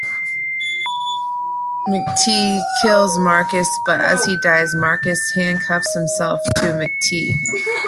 McTeague kills Marcus, but as he dies, Marcus handcuffs himself to McTeague.